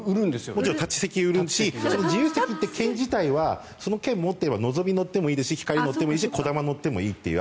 立ち席は売るし自由席という券自体はその券を持っていればのぞみに乗ってもいいしひかりに乗ってもいしこだまにのってもいいという。